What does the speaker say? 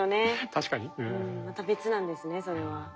また別なんですねそれは。